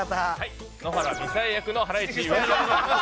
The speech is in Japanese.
野原みさえ役のハライチ岩井です。